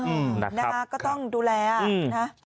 นะครับค่ะอืมนะครับนะครับก็ต้องดูแลนะ